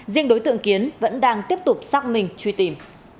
riêng đối tượng kiến vẫn đang tiếp tục xác minh truy tìm